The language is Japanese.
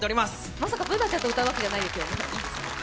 まさかＢｏｏｎａちゃんと歌うわけじゃないですよね？